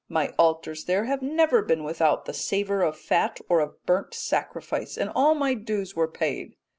My altars there have never been without the savour of fat or of burnt sacrifice and all my dues were paid.'